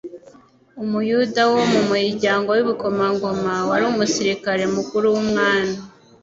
Umuyuda wo mu muryango w'ibikomangoma, wari umusirikari mukuru w'umwami,